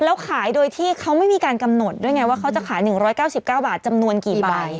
แล้วขายโดยที่เขาไม่มีการกำหนดด้วยไงว่าเขาจะขาย๑๙๙บาทจำนวนกี่ใบ